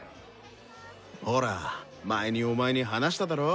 ほら前にお前に話しただろ？